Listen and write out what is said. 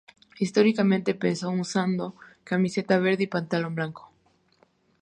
Históricamente empezó usando camiseta verde y pantalón blanco.